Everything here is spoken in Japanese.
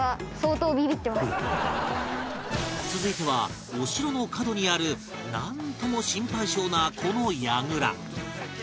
続いてはお城の角にあるなんとも心配性なこの櫓